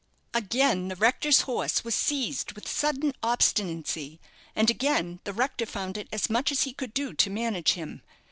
Again the rector's horse was seized with sudden obstinacy, and again the rector found it as much as he could do to manage him.